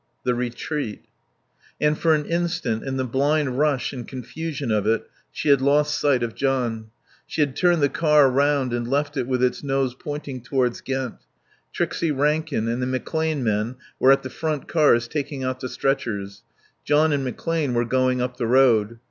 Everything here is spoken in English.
The retreat. And for an instant, in the blind rush and confusion of it, she had lost sight of John. She had turned the car round and left it with its nose pointing towards Ghent. Trixie Rankin and the McClane men were at the front cars taking out the stretchers; John and McClane were going up the road.